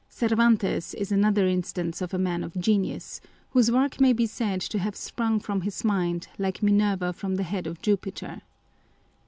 Cervantes is another instance of a man of genius, whose work may be said to have sprung from his mind, like Minerva from the head of Jupiter.